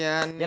jangan lama ya